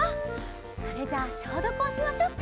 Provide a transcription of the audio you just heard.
それじゃあしょうどくをしましょっか。